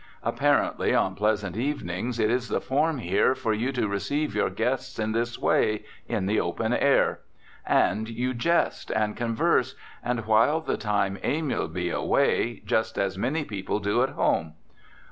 Apparently, on pleasant evenings, it is the form here for you to receive your guests in this way, in the open air. And you jest, and converse, and while the time amiably away, just as many people do at home.